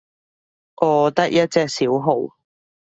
我得一隻小號